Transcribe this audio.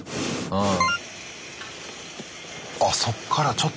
うん？